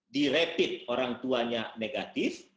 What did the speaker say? di rapid orang tuanya negatif